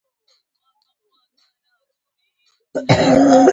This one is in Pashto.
پلاستیک په پټي کې اچول زیان لري؟